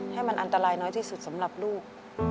ให้มันอันตรายน้อยที่สุดสำหรับลูก